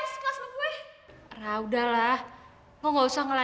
eh kok grab balik langsung aja kusteri ya